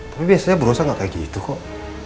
tapi biasanya bu rosa gak kayak gitu kok